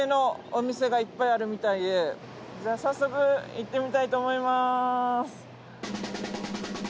早速行ってみたいと思います。